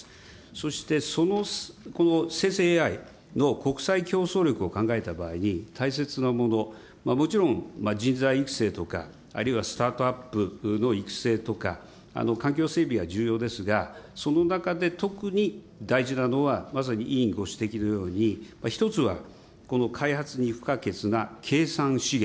そしてこの生成ＡＩの国際競争力を考えた場合に、大切なもの、もちろん人材育成とかあるいはスタートアップの育成とか、環境整備が重要ですが、その中で特に大事なのは、まさに委員ご指摘のように、１つはこの開発に不可欠な計算資源、